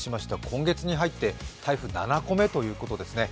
今月に入って台風７個目ということですね。